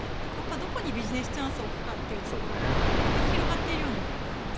どこにビジネスチャンスを置くかというところが逆に広がっているようにも思います。